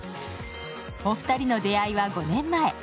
お二人の出会いは５年前。